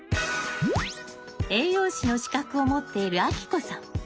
栄養士の資格を持っているあきこさん。